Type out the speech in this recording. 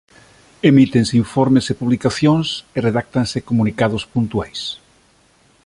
Emítense informes e publicacións e redáctanse comunicados puntuais.